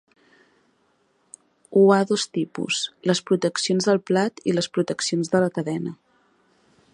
Ho ha dos tipus, les proteccions del plat i les proteccions de la cadena.